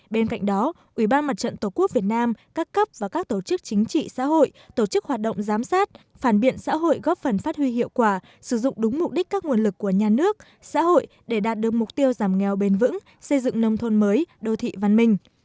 bên cạnh đó ủy ban mặt trận tổ quốc việt nam các cấp và các tổ chức chính trị xã hội tổ chức hoạt động giám sát phản biện xã hội góp phần phát huy hiệu quả sử dụng đúng mục đích các nguồn lực của nhà nước xã hội để đạt được mục tiêu giảm nghèo bền vững xây dựng nông thôn mới đô thị văn minh